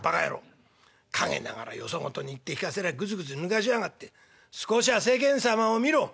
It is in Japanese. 陰ながらよそ事に言って聞かせりゃグズグズ抜かしやがって少しは世間様を見ろ。